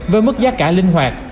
với mức giá cả linh hoạt